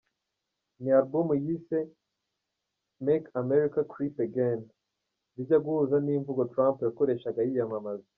Ni album yise "Make America Crip Again" bijya guhuza n’imvugo Trump yakoreshaga yiyamamaza.